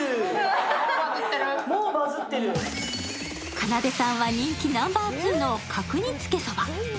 かなでさんは人気ナンバー２の角煮つけＳＯＢＡ。